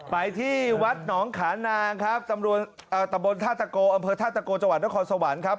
ไปที่วัดหนองขานางครับอำเภอธาตโกจังหวัดและคอนสวรรค์ครับ